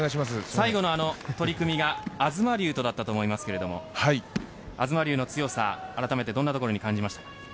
最後の取組が東龍だったと思いますが東龍の強さあらためてどんなところに感じますか？